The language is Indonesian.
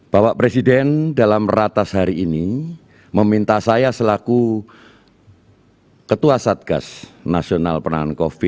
bapak presiden dalam ratas hari ini meminta saya selaku ketua satgas nasional penanganan covid sembilan belas